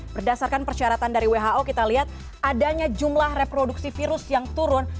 berdasarkan persyaratan dari who kita lihat adanya jumlah reproduksi virus yang turun